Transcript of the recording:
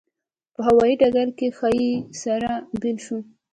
په هوایي ډګر کې ښایي سره بېل شو.